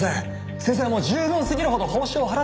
先生はもう十分すぎるほど報酬を払ってきたじゃ。